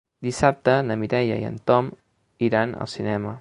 Dissabte na Mireia i en Tom iran al cinema.